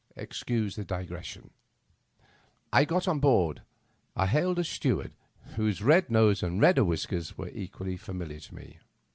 Excuse the digression. I got on board. I hailed a steward, whose red nose and redder whiskers were equally familiar to me.